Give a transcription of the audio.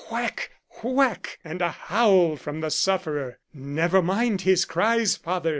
Whack ! whack ! and a howl from the sufferer. " Never mind his cries, father